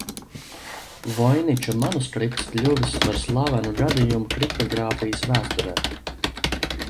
Voiniča manuskripts kļuvis par slavenu gadījumu kriptogrāfijas vēsturē.